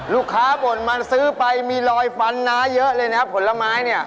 ลูกค้าบ่นมาซื้อไปมีรอยฟันน้าเยอะเลยนะผลไม้เนี่ย